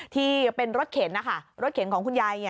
ที่เป็นรถเข็นนะคะรถเข็นของคุณยาย